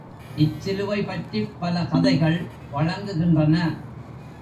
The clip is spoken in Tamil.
இச்சிலுவை பற்றிப் பல கதைகள் வழங்குகின்றன.